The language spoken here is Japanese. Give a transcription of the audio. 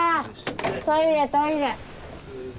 トイレトイレ。